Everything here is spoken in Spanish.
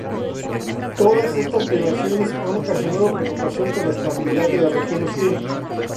Todas estas violaciones han ocasionado preocupación por la estabilidad de la región hostil.